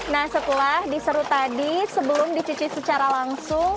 nah setelah diseru tadi sebelum dicuci secara langsung